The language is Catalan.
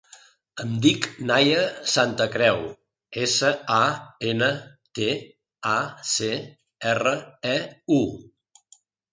Em dic Naia Santacreu: essa, a, ena, te, a, ce, erra, e, u.